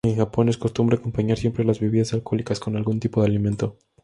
En Japón es costumbre acompañar siempre las bebidas alcohólicas con algún tipo de alimento.